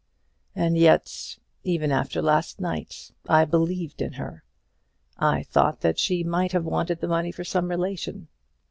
And yet, even after last night, I believed in her. I thought that she might have wanted the money for some relation.